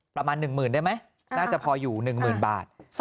ประมาณ๑หมื่นได้ไหมน่าจะพออยู่๑หมื่นบาท